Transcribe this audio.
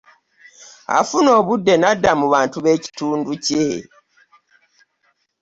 Afuna obudde nadda mu bantu be kitundu kye.